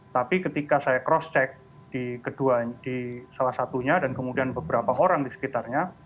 tapi ketika saya cross check di salah satunya dan kemudian beberapa orang di sekitarnya